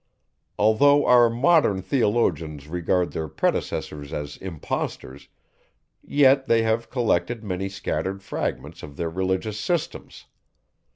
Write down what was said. Although our modern theologians regard their predecessors as impostors, yet they have collected many scattered fragments of their religious systems.